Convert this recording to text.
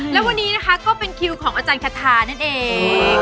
และวันนี้นะคะก็เป็นคิวของอาจารย์คาทานั่นเอง